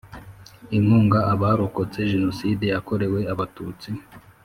inkunga abarokotse jenoside yakorewe Abatutsi